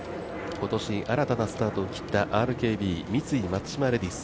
今年、新たなスタートを切った三井松島レディス。